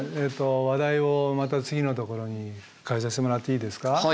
話題をまた次のところに変えさせてもらっていいですか？